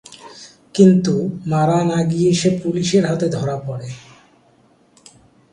কিন্তু মারা না গিয়ে সে পুলিশের হাতে ধরা পড়ে।